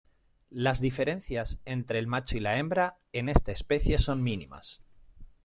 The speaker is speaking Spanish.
Las diferencias entre el macho y la hembra en esta especie son mínimas.